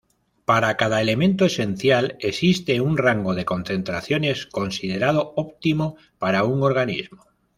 Para cada elemento esencial existe un rango de concentraciones considerado óptimo para un organismo.